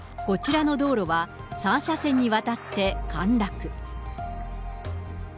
こちらの道路は、３車線にわたって陥落。